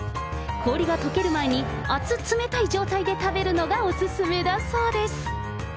氷がとける前に、熱冷たい状態で食べるのがお勧めだそうです。